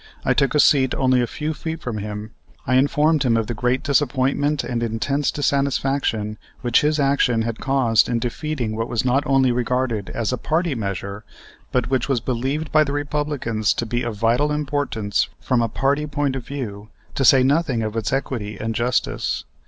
I took a seat only a few feet from him. I informed him of the great disappointment and intense dissatisfaction which his action had caused in defeating what was not only regarded as a party measure, but which was believed by the Republicans to be of vital importance from a party point of view, to say nothing of its equity and justice.